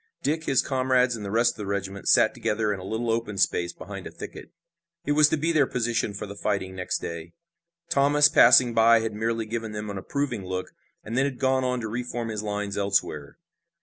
Dick, his comrades and the rest of the regiment sat together in a little open space behind a thicket. It was to be their position for the fighting next day. Thomas, passing by, had merely given them an approving look, and then had gone on to re form his lines elsewhere.